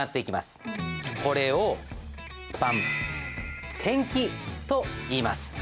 これを転記といいます。